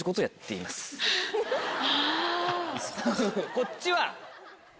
こっちは。